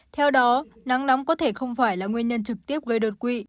theo đó nắng nóng có thể không phải là nguyên nhân trực tiếp gây đột quỵ